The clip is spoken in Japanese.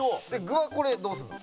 具はこれどうするの？